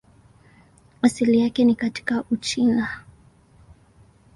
Asili yake ni katika Uchina.